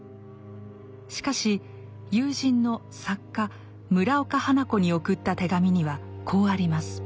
しかし友人の作家村岡花子に送った手紙にはこうあります。